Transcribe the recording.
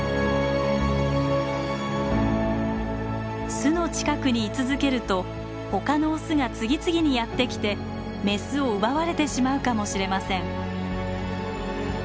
巣の近くに居続けると他のオスが次々にやってきてメスを奪われてしまうかもしれません。